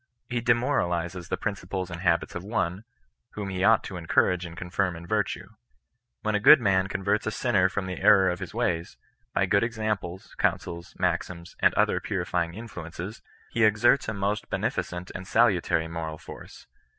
He demoralizes the principles and habits of one, whom he ought to encourage and confirm in virtue. When a good man converts a smner from the error of his ways, by good examples, counsels, maxims, and other purifying influences, he exerts a most henefir cervt and salutary moral force.